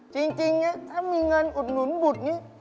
จริงถ้ามีเงินอุดหนุนบุตรนี้